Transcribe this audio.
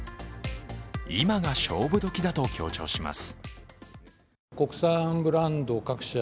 今が勝負時だと強調します。